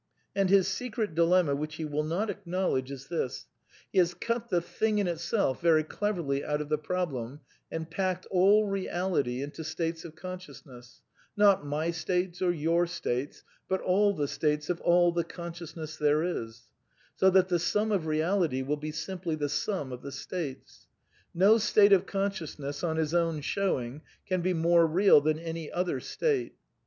And his secret dilemma, which he will not acknowledge, SOME QXJESTIONS OF METAPHYSICS 121 is this : He has cut the Thing in Itself very cleverly out (0(f of the problem and packed all Eeality into states of con 1 ^ sciousness ; not my states, or your states, but all the states of all the consciousness there is ; so that the sum of Beality will be simply the sum of the states. No state of con sciousness, on his own showing, can be more real than any other state.